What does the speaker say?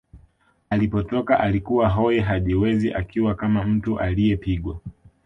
Alipotoka alikuwa hoi hajiwezi akiwa kama mtu aliyepigwa